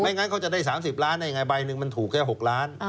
งั้นเขาจะได้๓๐ล้านได้ยังไงใบหนึ่งมันถูกแค่๖ล้าน